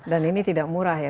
dan ini tidak murah ya